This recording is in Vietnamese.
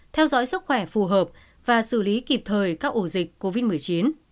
theo dõi sức khỏe phù hợp và xử lý kịp thời các ổ dịch covid một mươi chín